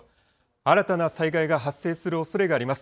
新たな災害が発生するおそれがあります。